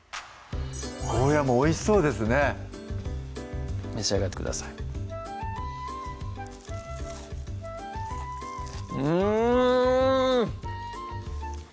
ゴーヤもおいしそうですね召し上がってくださいうん！